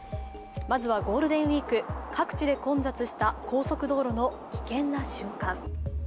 まずはゴールデンウイーク、各地で混雑した高速道路の危険な瞬間。